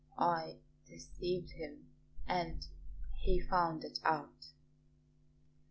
I deceived him and he found it out.'